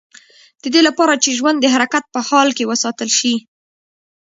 د دې لپاره چې ژوند د حرکت په حال کې وساتل شي.